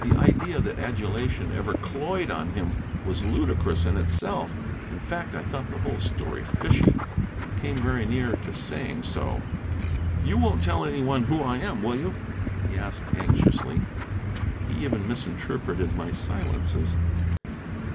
The idea that adulation ever cloyed on him was ludicrous in itself. In fact I thought the whole story fishy, and came very near to saying so. "You won't tell anyone who I am, will you?" he asked anxiously. He even misinterpreted my silences.